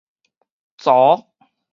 摷